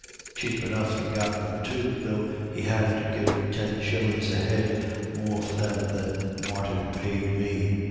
Chape enough he got them, too, though he had to give ten shillin's a head more for them than Martin ped me."